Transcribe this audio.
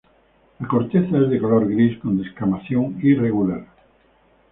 La corteza es de color gris, con descamación irregular.